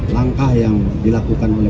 langkah yang dilakukan oleh